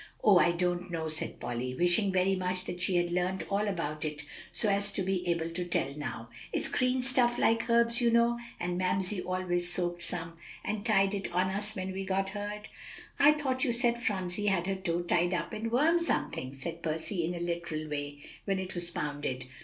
"Oh! I don't know," said Polly, wishing very much that she had learned all about it so as to be able to tell now; "it's green stuff, like herbs, you know; and Mamsie always soaked some, and tied it on us when we got hurt." "I thought you said Phronsie had her toe tied up in worm something," said Percy in a literal way, "when it was pounded."